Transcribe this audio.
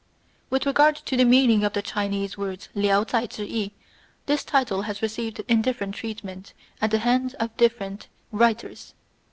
With regard to the meaning of the Chinese words Liao Chai Chih I y this title has received indifferent treatment at the hands of different writers.